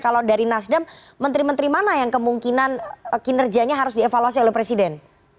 kalau dari mas dem menteri mana yang kemungkinan kinerjanya harus dievaluasi lho presiden